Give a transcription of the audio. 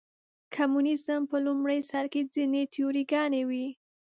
کمونیزم په لومړي سر کې ځینې تیوري ګانې وې.